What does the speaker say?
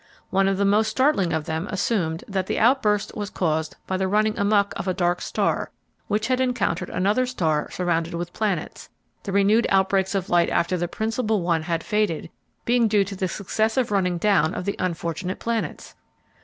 One of the most startling of them assumed that the outburst was caused by the running amuck of a dark star which had encountered another star surrounded with planets, the renewed outbreaks of light after the principal one had faded being due to the successive running down of the unfortunate planets!